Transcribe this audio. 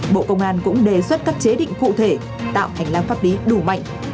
bộ công an cũng đề xuất các chế định cụ thể tạo hành lang pháp lý đủ mạnh